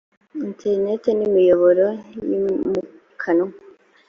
interineti n’ imiyoboro yimukanwa